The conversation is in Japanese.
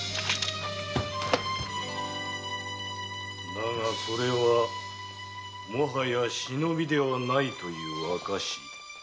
だがそれはもはや「忍び」ではないという証。